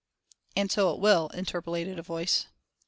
"And so it will," interpolated a voice.